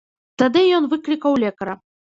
Тады ён выклікаў лекара.